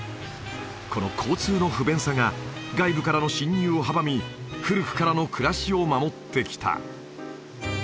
この交通の不便さが外部からの進入を阻み古くからの暮らしを守ってきた